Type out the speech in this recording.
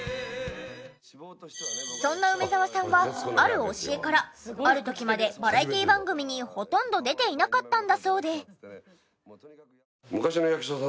そんな梅沢さんはある教えからある時までバラエティ番組にほとんど出ていなかったんだそうで。